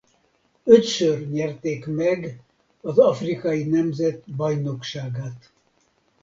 Ötször nyerték meg az afrikai nemzetek-bajnokságát.